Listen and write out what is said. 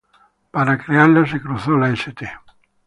Para crearla se cruzó la St.